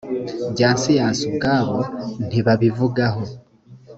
bya siyansi ubwabo ntibabivugaho